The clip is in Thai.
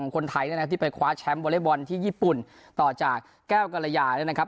คนไทยที่ไปคว้าแชมป์วอเล็ตบอลที่ญี่ปุ่นต่อจากแก้วกรยานะครับ